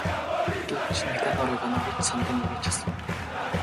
гэж Никанор Иванович сандран эмээж асуув.